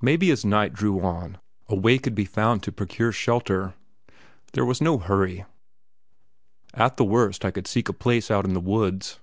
Maybe as night drew on a way could be found to procure shelter. There was no hurry; at the worst, I could seek a place out in the woods.